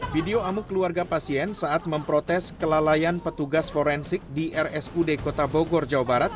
video amuk keluarga pasien saat memprotes kelalaian petugas forensik di rsud kota bogor jawa barat